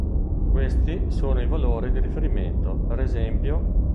Questi sono i valori di riferimento per es.